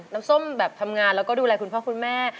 น้ำส้มแบบทำงานแล้วก็ดูแลคุณพ่อคุณแม่